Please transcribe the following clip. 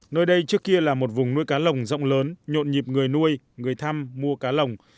nơi đây trước kia là một vùng nuôi cá lồng rộng lớn nhộn nhịp người nuôi người thăm mua cá lồng